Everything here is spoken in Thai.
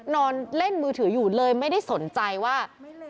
นอนเล่นมือถืออยู่เลยไม่ได้สนใจว่า